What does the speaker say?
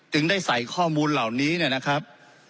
ให้ใส่ข้อมูลเหล่านี้เนี่ยนะครับ